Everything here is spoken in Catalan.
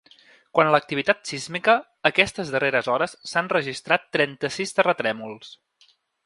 Quant a l’activitat sísmica, aquestes darreres hores s’han registrat trenta-sis terratrèmols.